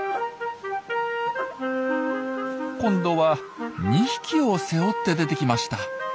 今度は２匹を背負って出てきました。